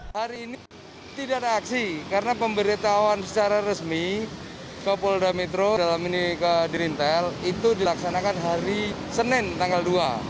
hari ini tidak ada aksi karena pemberitahuan secara resmi ke polda metro dalam ini ke dirintel itu dilaksanakan hari senin tanggal dua